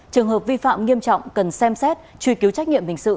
trường hợp vi phạm nghiêm trọng cần xem xét truy cứu trách nhiệm hình sự